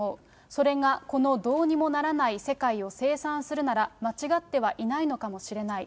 それがこのどうにもならない世界を精算するなら、間違ってはいないのかもしれない。